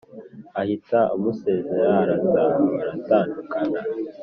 ahita amusezera arataha baratandukana